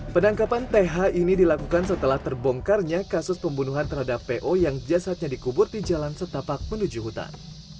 penangkapan th ini dilakukan setelah terbongkarnya kasus pembunuhan terhadap po yang jasadnya dikubur di jalan setapak menuju hutan